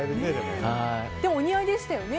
でもお似合いでしたよね。